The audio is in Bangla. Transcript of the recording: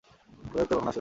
উদয়াদিত্য এখনো আসিল না?